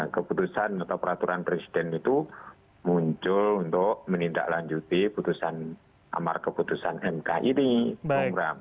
keputusan atau peraturan presiden itu muncul untuk menindaklanjuti putusan amar keputusan mk ini bung bram